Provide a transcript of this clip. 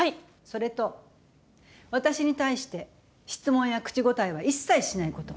それと私に対して質問や口答えは一切しないこと。